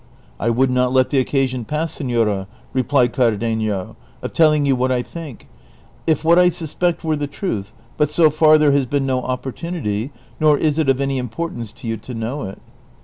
'* I would not let the occasion pass, senora," replied Cardenio, "of telling you what I think, if what I suspect were the truth, but so far there has been no o})portunity, nor is it of any im portance to you to know it."